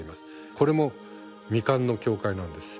これも未完の教会なんです。